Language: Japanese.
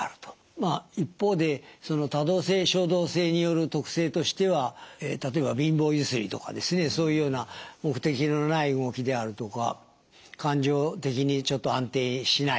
まあ一方でその多動性・衝動性による特性としては例えば貧乏揺すりとかそういうような目的のない動きであるとか感情的にちょっと安定しない。